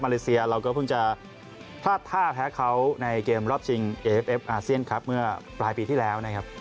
เลเซียเราก็เพิ่งจะพลาดท่าแพ้เขาในเกมรอบชิงเอฟเอฟอาเซียนครับเมื่อปลายปีที่แล้วนะครับ